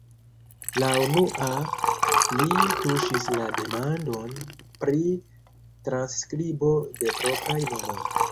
La unua li tuŝis la demandon "Pri transskribo de propraj nomoj".